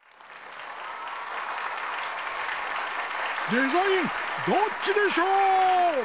「デザインどっちでショー」！